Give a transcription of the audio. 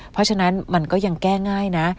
เพราะฉะนั้นมันก็ยังแก้ง่ายนะ